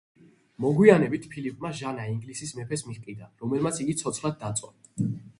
მოგვიანებით, ფილიპმა ჟანა ინგლისის მეფეს მიჰყიდა, რომელმაც იგი ცოცხლად დაწვა.